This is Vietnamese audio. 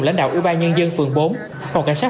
lãnh đạo ưu ba nhân dân phường bốn phòng cảnh sát